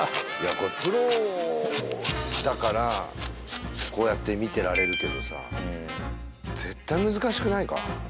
これプロだからこうやって見てられるけどさ絶対難しくないか？